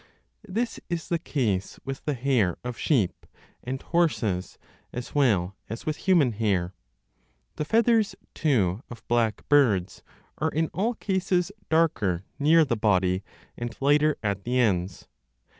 This is the case with the hair of sheep and horses as well as with human hair ; 2 the feathers, too, of black birds are in all cases darker 10 near the body and lighter at the ends.